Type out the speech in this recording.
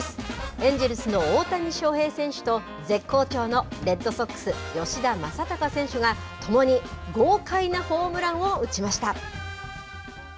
エンジェルスの大谷翔平選手と絶好調のレッドソックス吉田正尚選手が共に豪快なホームランを打ちました。